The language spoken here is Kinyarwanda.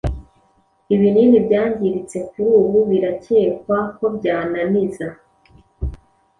ibinini byangiritse kuri ubu birakekwa koby ananiza